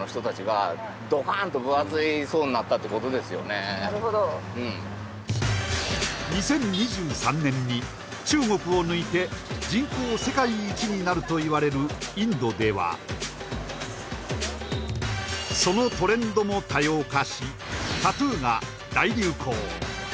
そんななるほど２０２３年に中国を抜いて人口世界一になるといわれるインドではそのトレンドも多様化しタトゥーが大流行